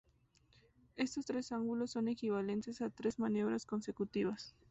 Estos tres ángulos son equivalentes a tres maniobras consecutivas.